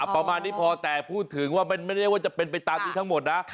ประมาณนี้พอแต่พูดถึงว่ามันไม่ได้ว่าจะเป็นไปตามนี้ทั้งหมดนะ